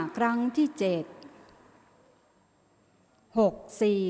ออกรางวัลที่๖เลขที่๗